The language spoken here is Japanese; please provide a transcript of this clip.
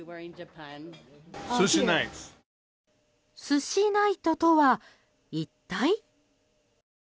寿司ナイトとは、一体？